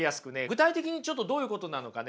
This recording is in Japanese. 具体的にちょっとどういうことなのかね